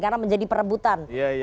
karena menjadi perebutan